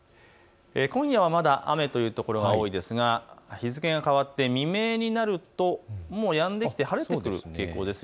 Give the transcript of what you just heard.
今夜はまだ雨というところが多いですが日付が変わって未明になるともうやんできて晴れてくる傾向です。